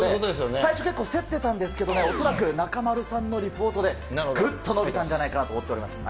最初、結構競ってたんですけれども、恐らく中丸さんのリポートで、ぐっと伸びたんじゃないかなと思っております。